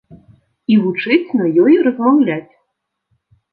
І вучыць на ёй размаўляць.